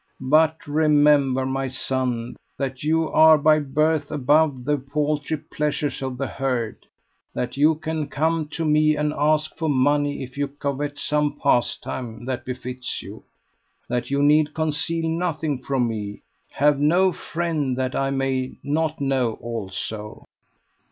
But remember, my son, that you are by birth above the paltry pleasures of the herd; that you can come to me and ask for money if you covet some pastime that befits you; that you need conceal nothing from me have no friend that I may not know also."